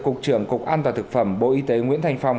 cục trưởng cục an toàn thực phẩm bộ y tế nguyễn thành phong